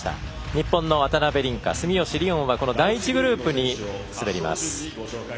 日本の、渡辺倫果住吉りをんは、第１グループに滑ります。